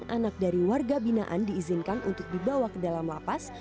anak dari warga binaan diizinkan untuk dibawa ke dalam lapas